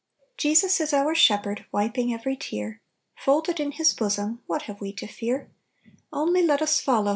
" "Jesus is our Shepherd • Wiping every tear; Folded in His bosom, What have we to fear If Little Pillows.